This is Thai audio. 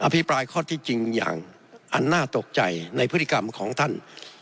พิปรายข้อที่จริงอย่างอันน่าตกใจในพฤติกรรมของท่าน